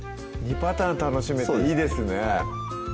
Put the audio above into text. パターン楽しめていいですね